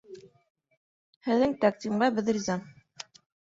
Һеҙҙең тәҡдимгә беҙ риза.